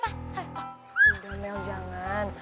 udah mel jangan